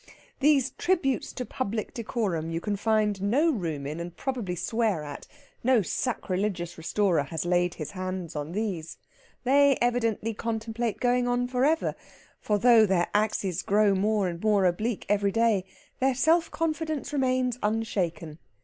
these tributes to public decorum you can find no room in, and probably swear at no sacrilegious restorer has laid his hand on these. They evidently contemplate going on for ever; for though their axes grow more and more oblique every day, their self confidence remains unshaken.